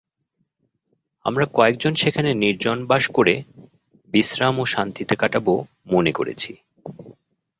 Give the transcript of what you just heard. আমরা কয়েকজন সেখানে নির্জন বাস করে বিশ্রাম ও শান্তিতে কাটাব, মনে করেছি।